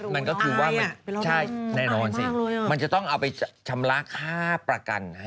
มันจะต้องเอาไปชำระค่าประกัน